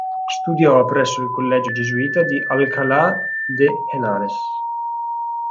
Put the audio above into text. Studiò presso il collegio gesuita di Alcalá de Henares.